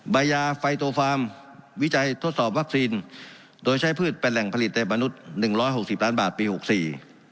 ใบยาไฟโตฟาร์มวิจัยทดสอบวัคซีนโดยใช้พืชเป็นแหล่งผลิตในมนุษย์๑๖๐ล้านบาทปี๖๔